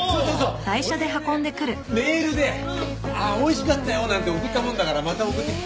俺がねメールで「美味しかったよ」なんて送ったもんだからまた送ってきた。